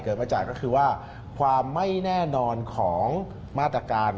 มาจากก็คือว่าความไม่แน่นอนของมาตรการ